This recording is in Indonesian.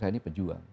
saya ini pejuang